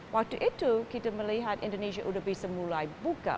waktu itu kami melihat bahwa indonesia sudah bisa mulai membuka